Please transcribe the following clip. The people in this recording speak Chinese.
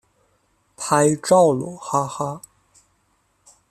拍照喽哈哈